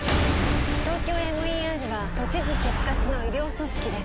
ＴＯＫＹＯＭＥＲは都知事直轄の医療組織です